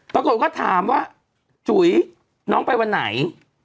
ปรากฏว่าถามว่าจุ๋ยน้องไปวันไหน